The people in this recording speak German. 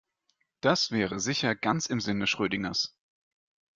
Das wäre sicher ganz im Sinne Schrödingers.